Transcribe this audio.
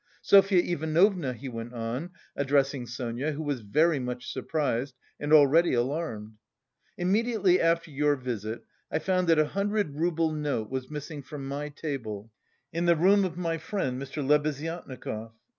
Sofya Ivanovna," he went on, addressing Sonia, who was very much surprised and already alarmed, "immediately after your visit I found that a hundred rouble note was missing from my table, in the room of my friend Mr. Lebeziatnikov.